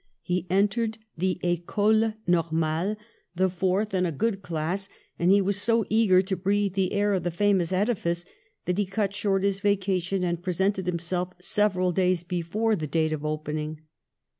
He entered the Ecole Normale, the fourth in a good class, and he was so eager to breathe the air of the famous edifice that he cut short his vacation and presented himself several days before the date of opening.